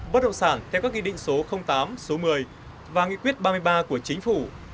bất động sản theo các ghi định số tám số một mươi và nghị quyết ba mươi ba của chính phủ